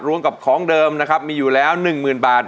รวมกับของเดิมนะครับมีอยู่แล้วหนึ่งหมื่นบาท